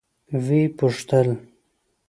ويې پوښتل.